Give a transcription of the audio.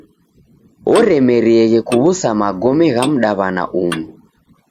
Oremerieghe kuw'usa magome gha mdaw'ana umu!